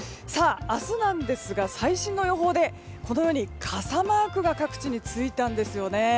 明日なんですが、最新の予報で傘マークが各地についたんですよね。